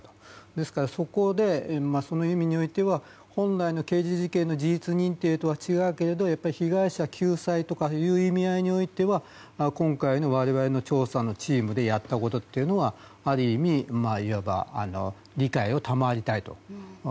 ですから、その意味でおいては本来の刑事事件の事実認定とは違うけれどもやっぱり被害者救済という意味合いにおいては今回の我々の調査のチームでやったことというのはある意味いわば理解を賜りたいと。